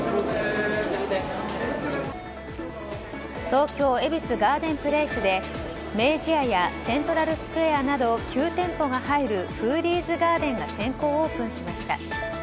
東京恵比寿ガーデンプレイスで明治屋やセントラルスクエアなど９店舗が入るフーディーズガーデンが先行オープンしました。